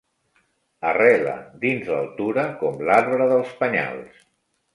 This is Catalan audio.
Arrela dins l'altura com l'arbre dels penyals.